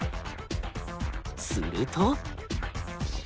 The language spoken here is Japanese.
すると。